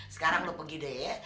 sekarang lo pergi deh